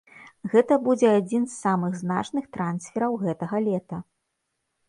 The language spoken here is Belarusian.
Гэта будзе адзін з самых значных трансфераў гэтага лета.